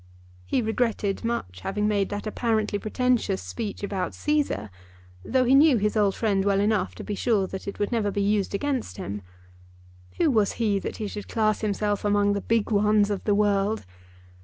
He regretted much having made that apparently pretentious speech about Cæsar, though he knew his old friend well enough to be sure that it would never be used against him. Who was he that he should class himself among the big ones of the world?